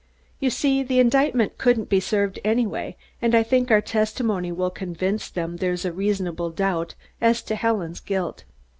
You see, the indictment couldn't be served anyway, and I think our testimony will convince them there's a reasonable doubt as to Helen's guilt."